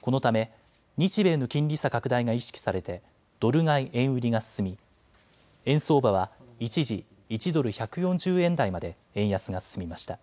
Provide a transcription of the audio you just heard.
このため日米の金利差拡大が意識されてドル買い円売りが進み円相場は一時、１ドル１４０円台まで円安が進みました。